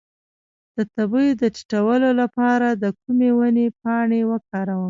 د تبې د ټیټولو لپاره د کومې ونې پاڼې وکاروم؟